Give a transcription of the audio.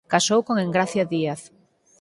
Casou con Engracia Díaz.